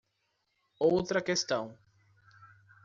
Outra questão.